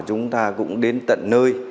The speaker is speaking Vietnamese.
chúng ta cũng đến tận nơi